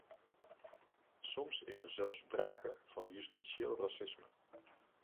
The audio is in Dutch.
Soms is er zelfs sprake van justitieel racisme.